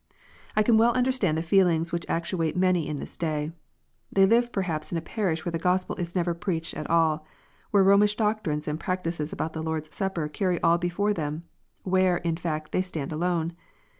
I can well understand the feelings which actuate many in this day. They live perhaps in a parish where the Gospel is never preached at all, where Romish doctrines and practices about the Lord s Supper carry all before them, where, in fact, they stand alone.